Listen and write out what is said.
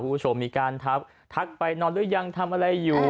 คุณผู้ชมมีการทักทักไปนอนหรือยังทำอะไรอยู่